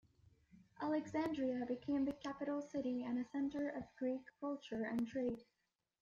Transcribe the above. Alexandria became the capital city and a center of Greek culture and trade.